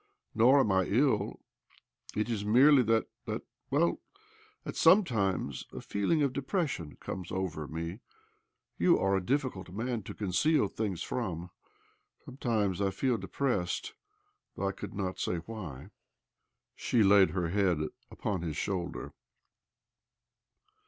Nor ami I ill. It is merely that, that— well, that sometimes a feeling of depression comes over me. You are a difficult man to conceal things from. Sometimes I feel depressed, though I could not say why." She laid her head upon his shoulder.